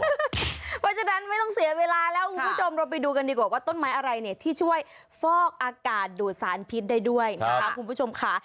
เพราะฉะนั้นไม่ต้องเสียเวลาแล้วคุณผู้ชมเราไปดูกันดีกว่าว่าต้นไม้อะไรเนี่ยที่ช่วยฟอกอากาศดูดสารพิษได้ด้วยนะคะคุณผู้ชมค่ะ